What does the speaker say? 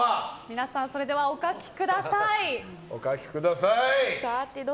皆さんそれではお書きください。